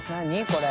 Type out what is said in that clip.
これ。